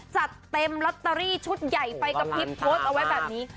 จัดเต็มลอตเตอรี่ชุดใหญ่ไฟกระพริบโพสต์เอาไว้แบบนี้